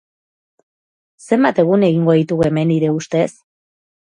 Zenbat egun egingo ditugu hemen, hire ustez?